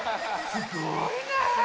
すごい。